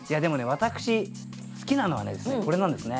私好きなのはこれなんですね。